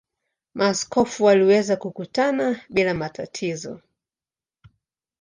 Maaskofu waliweza kukutana bila matatizo.